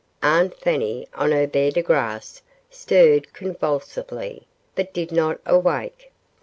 Aunt Fanny, on her bed of grass, stirred convulsively, but did not awake.